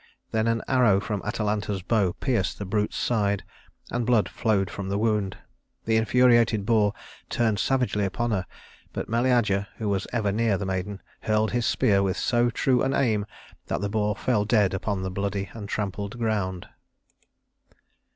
Then an arrow from Atalanta's bow pierced the brute's side, and blood flowed from the wound. The infuriated boar turned savagely upon her, but Meleager, who was ever near the maiden, hurled his spear with so true an aim that the boar fell dead upon the bloody and trampled ground.